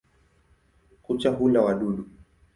Kucha hula wadudu.